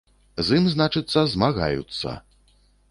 З ім, значыцца, змагаюцца!